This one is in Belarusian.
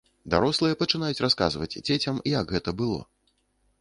Дарослыя пачынаюць расказваць дзецям, як гэта было.